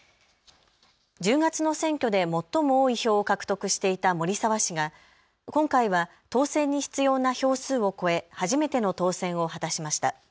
１０月の選挙で最も多い票を獲得していた森澤氏が今回は当選に必要な票数を超え初めての当選を果たしました。